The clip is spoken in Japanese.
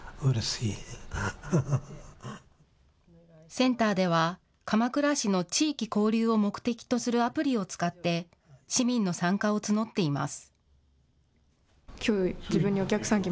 センターでは鎌倉市の地域交流を目的とするアプリを使って市民の参加を募っています。